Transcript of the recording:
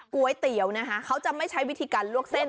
ก๋วยเตี๋ยวนะคะเขาจะไม่ใช้วิธีการลวกเส้น